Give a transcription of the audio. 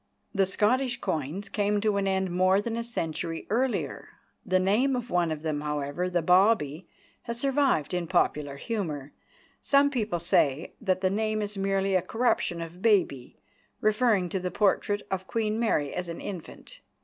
The Scottish coins came to an end more than a century earlier. The name of one of them, however, the "bawbee," has survived in popular humour. Some people say that the name is merely a corruption of "baby," referring to the portrait of Queen Mary as an infant.